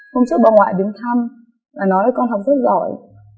hôm trước bà ngoại đứng thăm nói với con học rất giỏi